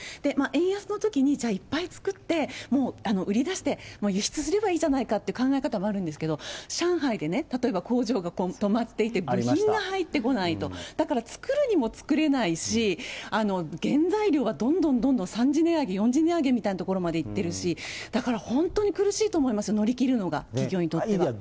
円安のときにじゃあ、いっぱい作って、もう売り出して、もう輸出すればいいじゃないかっていう考え方もあるんですけど、上海で例えば工場が止まっていて、部品が入ってこないと、だから作るにも作れないし、原材料がどんどんどんどん３次値上げ、４次値上げみたいなところまでいってるし、だから本当に苦しいと思います、乗り切るのが、企業にとっては。